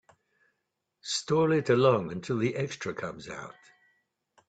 Stall it along until the extra comes out.